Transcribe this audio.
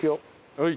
はい。